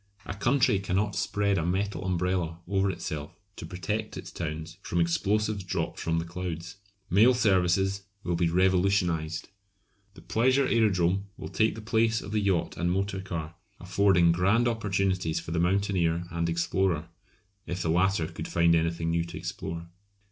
A country cannot spread a metal umbrella over itself to protect its towns from explosives dropped from the clouds. Mail services will be revolutionised. The pleasure aerodrome will take the place of the yacht and motor car, affording grand opportunities for the mountaineer and explorer (if the latter could find anything new to explore).